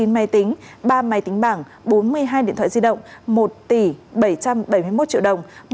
chín máy tính ba máy tính bảng bốn mươi hai điện thoại di động một tỷ bảy trăm bảy mươi một triệu đồng